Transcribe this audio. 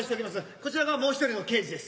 こちらがもう一人の刑事です。